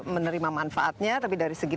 menerima manfaatnya tapi dari segi